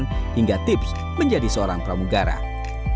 namun ternyata ini adalah tanda tanda yang menarik untuk penerbangan